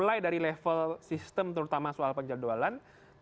jadi harus ada perbaikan soal mulai dari level sistem terutama soal penjadwalan pemilu